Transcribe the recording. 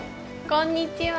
こんにちは。